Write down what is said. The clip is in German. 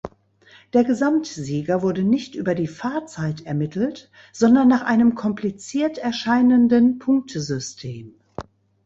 Der Gesamtsieger wurde nicht über die Fahrzeit ermittelt, sondern nach einem kompliziert erscheinenden Punktesystem.